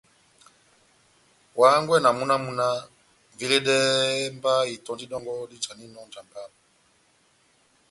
Wa hángwɛ na múna wamu náh :« veledɛhɛ mba itɔ́ndi dɔngɔ dijaninɔ ó njamba yami »